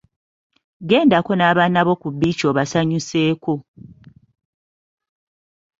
Gendeko n’abaana bo ku bbiici obasanyuseeko.